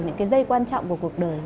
những cái dây quan trọng của cuộc đời